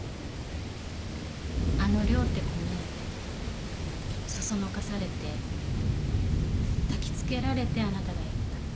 あの涼って子にそそのかされてたきつけられてあなたがやった。